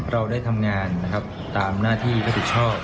เราได้ทำงานตามหน้าที่ผู้ติดชอบ